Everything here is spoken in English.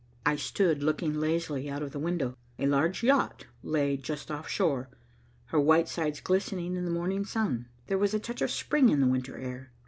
I stood looking lazily out of the window. A large yacht lay just offshore, her white sides glistening in the morning sun. There was a touch of spring in the winter air.